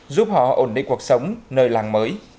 giúp họ ổn định cuộc sống nơi làng mới